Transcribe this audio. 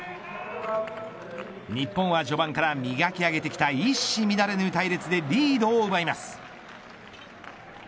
日本は序盤から磨き上げてきた一糸乱れぬ隊列でリードを奪います。